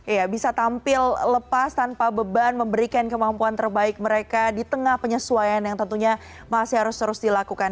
iya bisa tampil lepas tanpa beban memberikan kemampuan terbaik mereka di tengah penyesuaian yang tentunya masih harus terus dilakukan